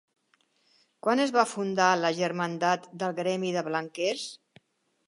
Quan es va fundar la germandat del gremi de Blanquers?